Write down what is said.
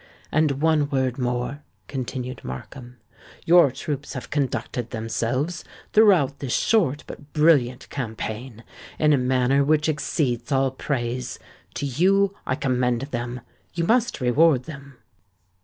And one word more," continued Markham; "your troops have conducted themselves, throughout this short but brilliant campaign, in a manner which exceeds all praise. To you I commend them—you must reward them."